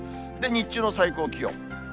日中の最高気温。